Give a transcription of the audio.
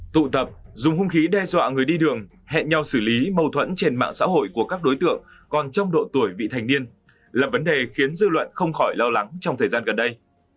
tụ tập dùng hông khí đe dọa người đi đường hẹn nhau xử lý mâu thuẫn trên mạng xã hội của các đối tượng còn trong độ tuổi vị thành niên là vấn đề khiến dư luận không khỏi lo lắng trong thời gian gần đây